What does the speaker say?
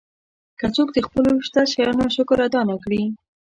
که څوک د خپلو شته شیانو شکر ادا نه کړي.